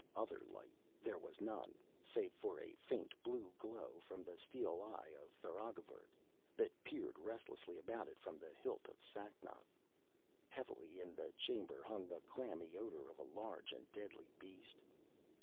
Other light there was none, save for a faint blue glow from the steel eye of Tharagavverug that peered restlessly about it from the hilt of Sacnoth. Heavily in the chamber hung the clammy odour of a large and deadly beast.